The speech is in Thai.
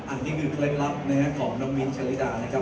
อันนี้คือเคล็ดรับของน้องวิทย์ชะลิดา